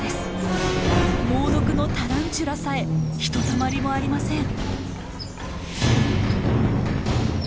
猛毒のタランチュラさえひとたまりもありません。